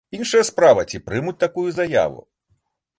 Іншая справа, ці прымуць такую заяву.